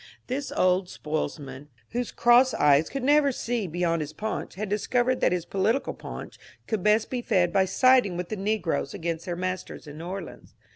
This old spoilsman,^ whose cross eyes could never see beyond his paunch, had discovered that his political paunch could best be fed by siding^with the negroes against their masters in New Orleans.